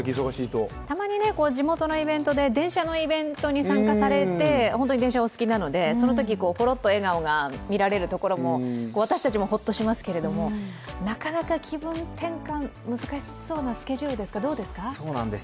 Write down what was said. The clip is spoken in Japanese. たまに、地元のイベントで電車のイベントに参加されて本当に電車がお好きなので、そのときにほろっと笑顔が見られるところが、私たちもホッとしますけれどもなかなか気分転換、難しそうなスケジュールですか？